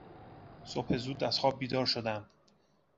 صبح زود از خواب بیدار شدم.